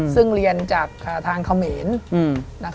ซึ่งเรียนจากทางเขาเหมียน